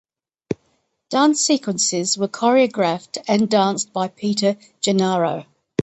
Dance sequences were choreographed and danced by Peter Gennaro.